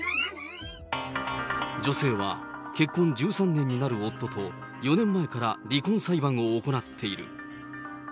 女性は結婚１３年になる夫と４年前から離婚裁判を行っている。